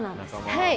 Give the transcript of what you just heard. はい。